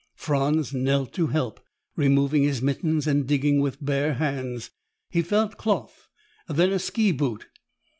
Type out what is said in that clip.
Franz knelt to help, removing his mittens and digging with bare hands. He felt cloth, then a ski boot.